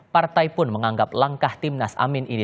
partai pun menganggap langkah tim nasamin ini